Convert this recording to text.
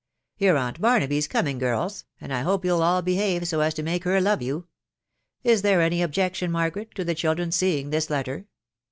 Your aunt Barnaby's coming girls, and I hope you'll all behave so as to make her love you Is there any objection, Margaret, to the children's seeing this letter?"